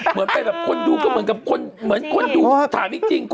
เหมือนเป็นแบบคนดูก็เหมือนกับคนดูถามจริง